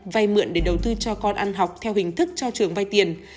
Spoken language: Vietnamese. vay mượn để đầu tư cho con ăn học theo hình thức cho trường vay tiền